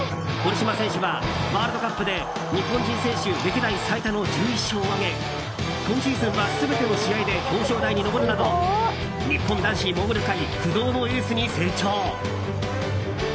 堀島選手は、ワールドカップで日本人選手歴代最多の１１勝を挙げ今シーズンは全ての試合で表彰台に上るなど日本男子モーグル界不動のエースに成長。